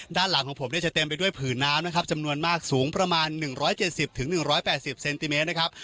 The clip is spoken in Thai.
ด้านหลังของผมเนี่ยจะเต็มไปด้วยผืนน้ำนะครับจำนวนมากสูงประมาณหนึ่งร้อยเจ็ดสิบถึงหนึ่งร้อยแปดสิบเซนติเมตรนะครับ